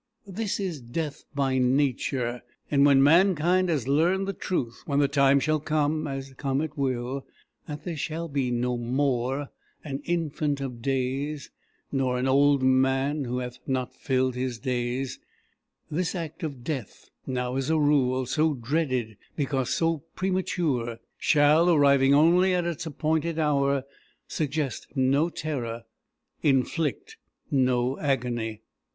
This is death by Nature, and when mankind has learned the truth, when the time shall come as come it will that "there shall be no more an infant of days, nor an old man who hath not filled his days," this act of death, now, as a rule, so dreaded because so premature, shall, arriving only at its appointed hour, suggest no terror, inflict no agony.